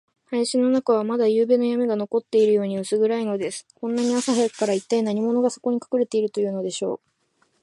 林の中は、まだゆうべのやみが残っているように、うす暗いのです。こんなに朝早くから、いったい何者が、そこにかくれているというのでしょう。